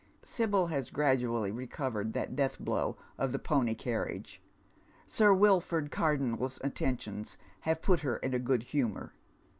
Sibyl has gradually recovered that death blow of the pony carriage. Sir Wilford Cardonnel's attentions have put her in a good humour.